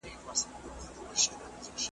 او ویل یې چي د جوزجان ولایت `